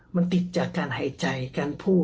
มันติดจากการหายใจการพูด